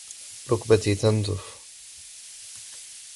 ركبتي تنزف.